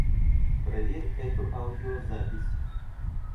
Проверь эту аудиозапись.